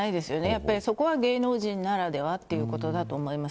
やっぱりそこは芸能人ならではということだと思います。